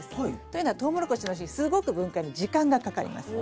というのはトウモロコシの芯すごく分解に時間がかかります。